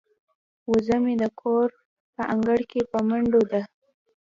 وزه مې د کور په انګړ کې په منډو ده.